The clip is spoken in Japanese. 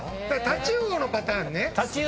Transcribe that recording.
タチウオのパターンね。